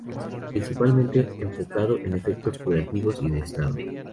Principalmente enfocado en efectos curativos y de estado.